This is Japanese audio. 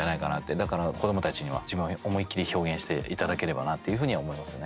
だから子どもたちには自分を思いっきり表現していただければなっていうふうには思いますね。